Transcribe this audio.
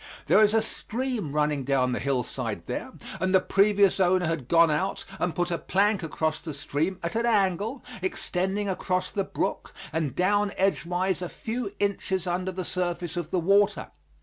There is a stream running down the hillside there, and the previous owner had gone out and put a plank across that stream at an angle, extending across the brook and down edgewise a few inches under the surface of the water.